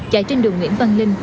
chạy trên đường nguyễn văn linh